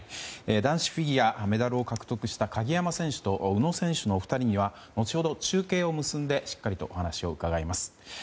男子フィギュアメダルを獲得した鍵山選手と宇野選手のお二人には後ほど中継を結んでしっかりとお話を伺います。